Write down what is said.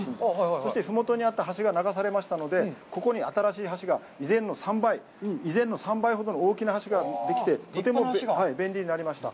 そして、ふもとにあった橋が流されましたので、ここに新しい橋が以前の３倍、以前の３倍ほどの大きな橋ができて、とても便利になりました。